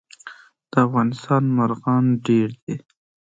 د افغانستان مرغان ډیر دي